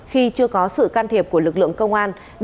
khi chưa có sự can thiệp của lực lượng công an